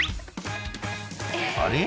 「あれ？